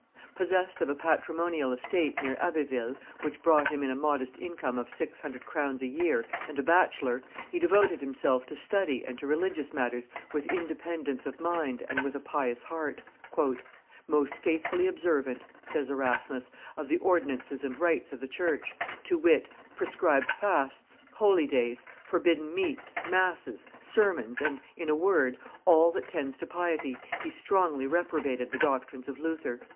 Possessed of a patrimonial estate, near Abbeville, which brought him in a modest income of six hundred crowns a year, and a bachelor, he devoted himself to study and to religious matters with independence of mind and with a pious heart. "Most faithfully observant," says Erasmus, "of the ordinances and rites of the church, to wit, prescribed fasts, holy days, forbidden meats, masses, sermons, and, in a word, all, that tends to piety, he strongly reprobated the doctrines of Luther."